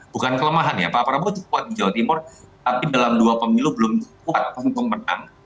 bukan kelemahan ya pak prabowo cukup kuat di jawa timur tapi dalam dua pemilu belum kuat untuk menang